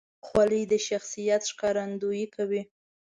خولۍ د شخصیت ښکارندویي کوي.